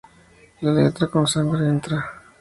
La letra, con sangre entra